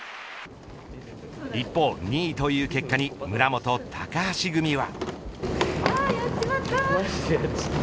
一方２位という結果に村元・高橋組は。